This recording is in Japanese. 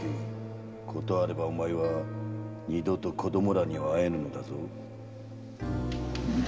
断れば・お前は二度と子供らに会えぬのだぞ。